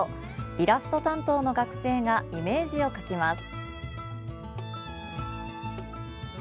イラスト担当の学生がイメージを描きます。